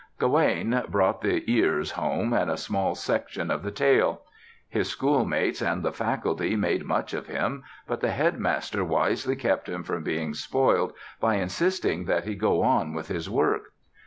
Gawaine brought the ears home and a small section of the tail. His school mates and the faculty made much of him, but the Headmaster wisely kept him from being spoiled by insisting that he go on with his work.